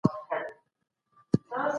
موږ کولای سو چي خپل راتلونکی پخپله جوړه کړو.